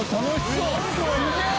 すげえ！